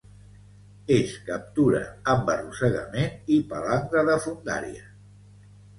Es captura amb arrossegament i palangre de fondària.